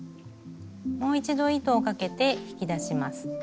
もう一度糸をかけて引き出します。